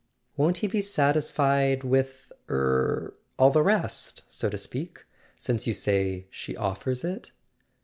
"Won't he be satisfied with—er—all the rest, so to speak; since you say she offers it?"